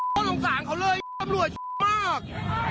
โดนลงส่างเขาเลยอำรวจมาก